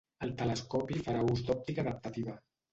El telescopi farà ús d'òptica adaptativa.